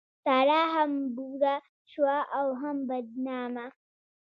سارا هم بوره شوه او هم بدنامه.